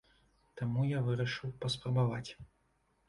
Таму я вырашыў паспрабаваць.